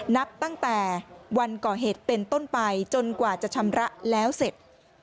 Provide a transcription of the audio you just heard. นับตั้งแต่วันก่อเหตุเป็นต้นไปจนกว่าจะชำระแล้วเสร็จ